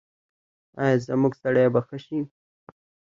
ایا زما ستړیا به ښه شي؟